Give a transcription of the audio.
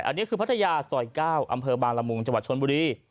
อันนี้คือพัทยาสอยเก้าอำเภอบานละมุงจชนบุรี